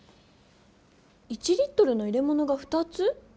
１リットルの入れものが２つ？